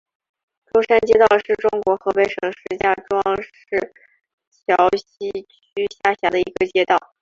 中山街道是中国河北省石家庄市桥西区下辖的一个街道。